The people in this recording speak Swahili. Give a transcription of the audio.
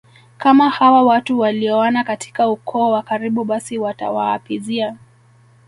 kama hawa watu walioana katika ukoo wa karibu basi watawaapizia